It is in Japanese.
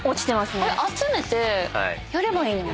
あれ集めてやればいいのに。